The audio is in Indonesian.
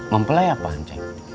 mempelai apaan ceng